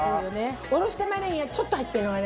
おろし玉ねぎがちょっと入ってるのがね